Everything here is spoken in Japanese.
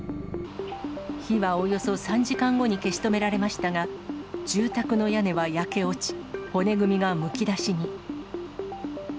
火はおよそ３時間後に消し止められましたが、住宅の屋根は焼け落ち、骨組みがむき出しに。